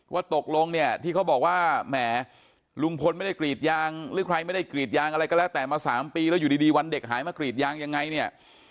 ว่าตกลงเนี่ยที่เขาบอกว่าแหมลุงพลไม่ได้กรีดยางหรือใครไม่ได้กรีดยางอะไรก็แล้วแต่มา๓ปีแล้วอยู่ดีวันเด็กหายมากรีดยางยังไงเนี่ย